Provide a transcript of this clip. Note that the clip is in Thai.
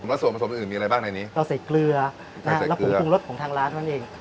แล้วส่วนผลิตอื่นมีอะไรบ้างในนี้เราใส่เกลือและผุมรสของทางร้าน